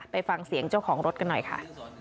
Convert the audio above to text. ไปฟังเสียงเจ้าของรถกันหน่อยค่ะ